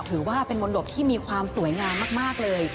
ถือว่าเป็นมนตบที่มีความสวยงามมากเลย